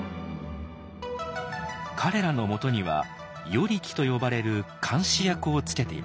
彼らのもとには「与力」と呼ばれる監視役をつけていました。